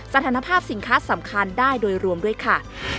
สถานภาพสินค้าสำคัญได้โดยรวมด้วยค่ะ